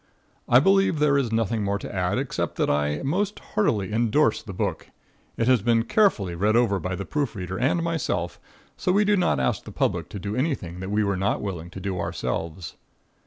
I believe there is nothing more to add, except that I most heartily endorse the book. It has been carefully read over by the proof reader and myself, so we do not ask the public to do anything that we were not willing to do ourselves.